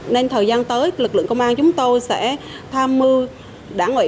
nên thời gian tới lực lượng công an chúng tôi sẽ tham mưu đảng ủy